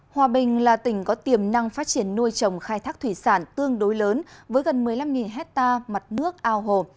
hòa bình là tỉnh có tiềm năng phát triển nuôi trồng khai thác thủy sản tương đối lớn với gần một mươi năm hectare mặt nước ao hồ